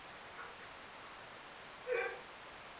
joto linaongezeka hadi kufikia senti gradi